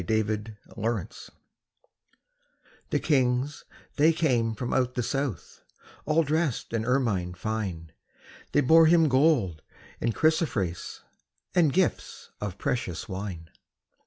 Christmas Carol The kings they came from out the south, All dressed in ermine fine, They bore Him gold and chrysoprase, And gifts of precious wine.